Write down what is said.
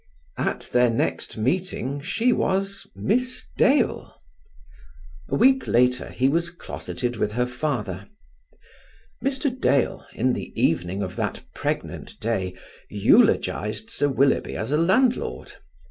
At their next meeting she was "Miss Dale". A week later he was closeted with her father. Mr. Dale, in the evening of that pregnant day, eulogized Sir Willoughby as a landlord.